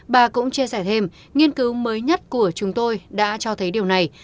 bà cũng chia sẻ thêm nghiên cứu mới nhất của chúng tôi đã cho thấy điều này